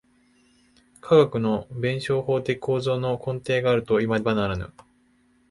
科学の弁証法的構造の根底があるといわねばならぬ。